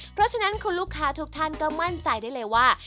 เพราะฉะนั้นคุณลูกค้าทุกท่านก็มั่นใจได้เลยว่า